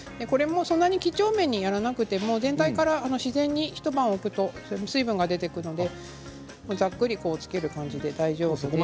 これもそんなにきちょうめんにやらなくても全体から自然に一晩置くと水分が出てくるのでざっくりつける感じで大丈夫です。